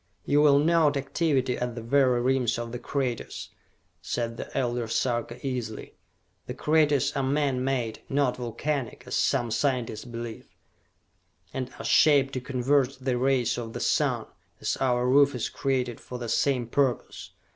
"You will note activity at the very rims of the craters!" said the Elder Sarka easily. "The craters are man made, not volcanic, as some scientists believe, and are shaped to converge the rays of the sun, as our roof is created for the same purpose.